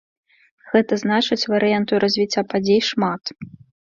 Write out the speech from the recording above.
Гэта значыць варыянтаў развіцця падзей шмат.